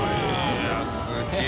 いやすげぇ。